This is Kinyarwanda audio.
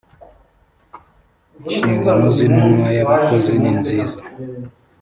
inshingano z intumwa y abakozi ninziza